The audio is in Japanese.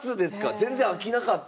全然飽きなかった？